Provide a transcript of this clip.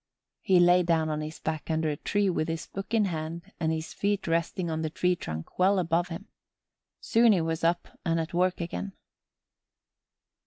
He lay down on his back under a tree with his book in hand and his feet resting on the tree trunk well above him. Soon he was up and at work again.